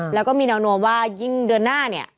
แล้วก็มีแนวโน้มว่ายิ่งเดือนหน้าเนี่ย